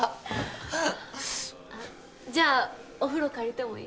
じゃあお風呂借りてもいい？